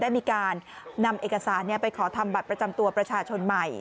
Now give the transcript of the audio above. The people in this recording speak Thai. ได้มีการนำเอกสารไปขอทำบัตรประจำตัวประชาชนใหม่